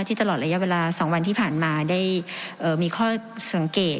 ตลอดระยะเวลา๒วันที่ผ่านมาได้มีข้อสังเกต